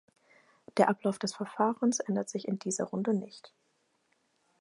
Der Ablauf des Verfahrens ändert sich in dieser Runde nicht.